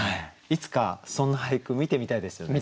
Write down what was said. いつかそんな俳句見てみたいですよね